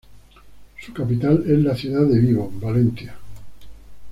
Su capital es la ciudad de Vibo Valentia.